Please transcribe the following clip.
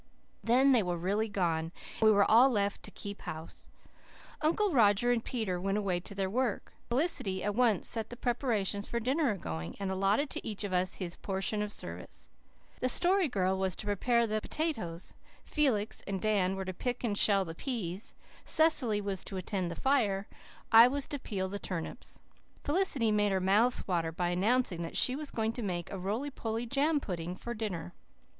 Then they were really gone and we were all left "to keep house." Uncle Roger and Peter went away to their work. Felicity at once set the preparations for dinner a going, and allotted to each of us his portion of service. The Story Girl was to prepare the potatoes; Felix and Dan were to pick and shell the peas; Cecily was to attend the fire; I was to peel the turnips. Felicity made our mouths water by announcing that she was going to make a roly poly jam pudding for dinner.